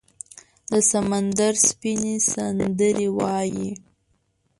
د سمندر سپینې، سندرې وایې